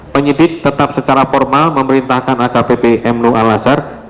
penyidik tetap secara formal memerintahkan akvp mlu al azhar